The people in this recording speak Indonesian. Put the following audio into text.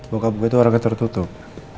bokap gue tuh orang yang tertutup